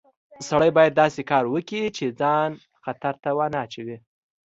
سړی باید داسې کار وکړي چې ځان خطر ته ونه اچوي